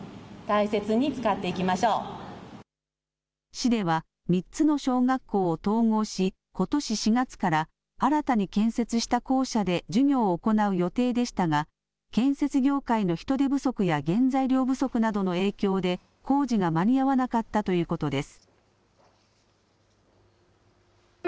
市では３つの小学校を統合し、ことし４月から、新たに建設した校舎で授業を行う予定でしたが、建設業界の人手不足や原材料不足などの影響で、工事が間に合わなかったということです。